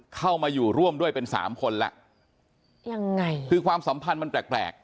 เข้ามาอยู่ร่วมด้วยเป็นสามคนแล้วยังไงคือความสัมพันธ์มันแปลกแปลก